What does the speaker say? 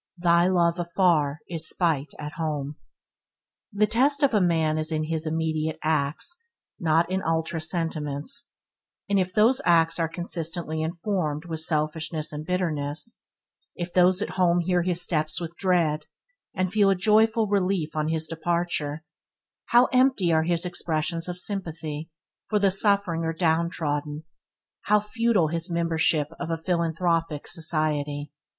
They love afar is spite at home". The test of a man is in his immediate acts, and not in ultra sentiments; and if those acts are consistently informed with selfishness and bitterness, if those at home hear his steps with dread, and feel a joyful relief on his departure, how empty are his expressions of sympathy for the suffering or down trodden how futile his membership of a philanthropic society.